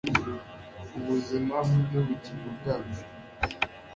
Ubuzima n ubugingo bwacu